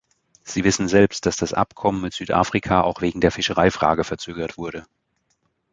Sie wissen selbst, dass das Abkommen mit Südafrika auch wegen der Fischereifrage verzögert wurde.